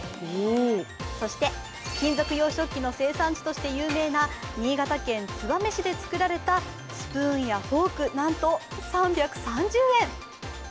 そして金属洋食器の生産地として有名な新潟県燕市で作られたスプーンやフォーク、なんと３３０円。